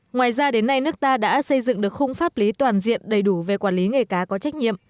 ngoài ra đến nay nước ta đã xây dựng được khung pháp lý toàn diện đầy đủ về quản lý nghề cá có trách nhiệm